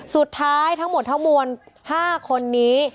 สุดท้ายทั้งหมดทั้งมวล๕คนนี้